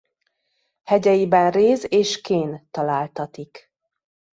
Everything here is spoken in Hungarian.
Hegyeiben réz- és kén találtatik.